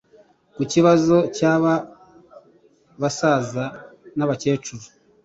Ku kibazo cy’aba basaza n’abakecuru